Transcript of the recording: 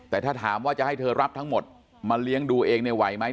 แต่ถ้าถามว่าจะให้เธอรับทั้งหมดมาเลี้ยงดูเองเนี่ยไหวไหม